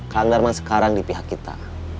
kang darman sekarang di pihak kita